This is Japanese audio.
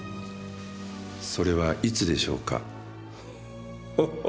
それはいつでしょうか？